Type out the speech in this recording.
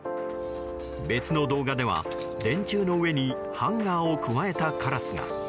別の動画では、電柱の上にハンガーをくわえたカラスが。